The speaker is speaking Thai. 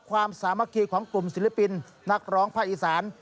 ความสามารถของกลุ่มศิลปินนักร้องพระอีสาน